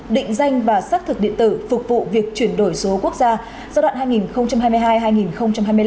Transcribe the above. định danh và xác thực điện tử phục vụ việc chuyển đổi số quốc gia giai đoạn hai nghìn hai mươi hai hai nghìn hai mươi năm